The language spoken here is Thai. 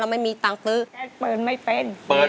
สวัสดีครับคุณหน่อย